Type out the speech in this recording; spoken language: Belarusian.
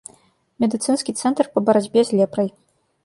Медыцынскі цэнтр па барацьбе з лепрай.